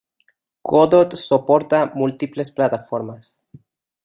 Godot soporta múltiples plataformas.